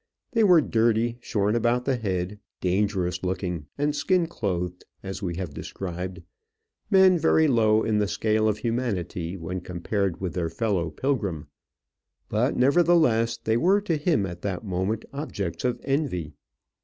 They were dirty, shorn about the head, dangerous looking, and skin clothed, as we have described; men very low in the scale of humanity when compared with their fellow pilgrim; but, nevertheless, they were to him at that moment objects of envy.